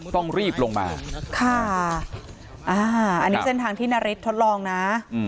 ต้องรีบลงมาค่ะอ่าอันนี้เส้นทางที่นาริสทดลองนะ